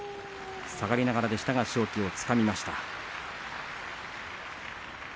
下がりながらでしたけども勝機をつかみました。